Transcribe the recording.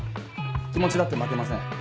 気持ちだって負けません。